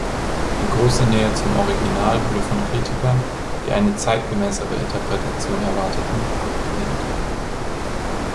Die große Nähe zum Original wurde von Kritikern, die eine „zeitgemäßere“ Interpretation erwarteten, abgelehnt.